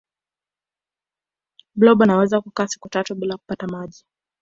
blob anawezo kukaa siku tatu bila kupata maji